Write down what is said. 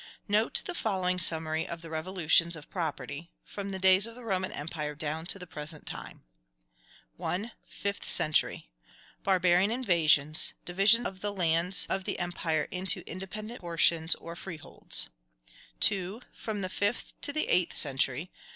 Note the following summary of the revolutions of property, from the days of the Roman Empire down to the present time: 1. Fifth century. Barbarian invasions; division of the lands of the empire into independent portions or freeholds. 2. From the fifth to the eighth century.